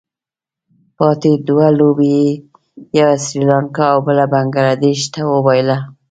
پاتې دوه لوبې یې یوه سري لانکا او بله بنګله دېش ته وبايلله.